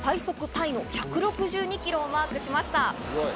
タイの１６２キロをマークしました。